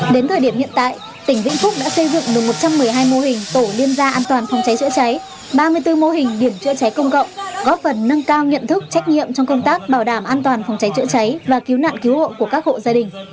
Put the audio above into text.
đến thời điểm hiện tại tỉnh vĩnh phúc đã xây dựng được một trăm một mươi hai mô hình tổ liên gia an toàn phòng cháy chữa cháy ba mươi bốn mô hình điểm chữa cháy công cộng góp phần nâng cao nghiện thức trách nhiệm trong công tác bảo đảm an toàn phòng cháy chữa cháy